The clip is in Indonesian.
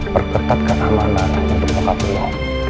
perketatkan amanan untuk bokap lo